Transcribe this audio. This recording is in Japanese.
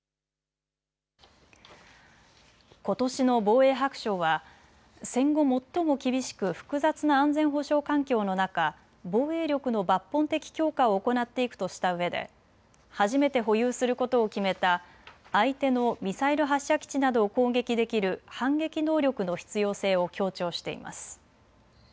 ことしの防衛白書は戦後最も厳しく複雑な安全保障環境の中、防衛力の抜本的強化を行っていくとしたうえで初めて保有することを決めた相手のミサイル発射基地などを攻撃できる反撃能力の必要性を強調しています。